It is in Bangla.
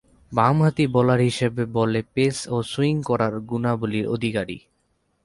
বামহাতি বোলার হিসেবে বলে পেস ও সুইং করার গুণাবলীর অধিকারী।